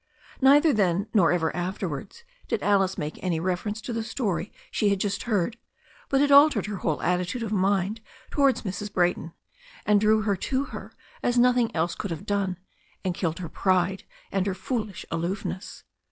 Neither then nor ever afterwards did Alice make any ref erence to the story she had just heard, but it altered her whole attitude of mind towards Mrs. Brayton, and drew her to her as nothing else could have done, and killed her pride and her foolish aloofness.